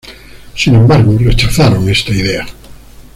Sin embargo rechazaron esta idea.